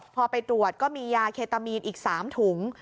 พอไปตรวจก็มียาเคตามีนอีก๓ถุง